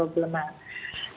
ini adalah masalah